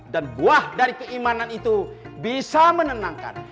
dan buah dari keimanan itu bisa menenangkan